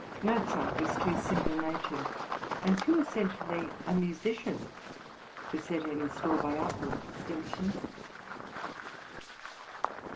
Mozart was too simple natured, and too essentially a musician, to set any store by outward distinctions.